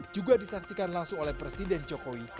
juga disaksikan langsung oleh presiden jokowi